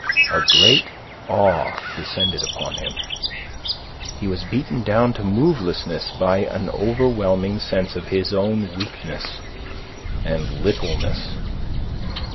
A great awe descended upon him. He was beaten down to movelessness by an overwhelming sense of his own weakness and littleness.